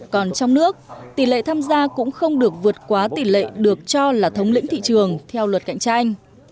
còn trong nước tỷ lệ tham gia cũng không được vượt quá tỷ lệ được cho là thống lĩnh thị trường theo luật cạnh tranh